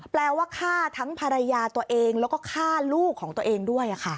แปลว่าฆ่าทั้งภรรยาตัวเองแล้วก็ฆ่าลูกของตัวเองด้วย